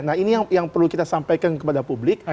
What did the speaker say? nah ini yang perlu kita sampaikan kepada publik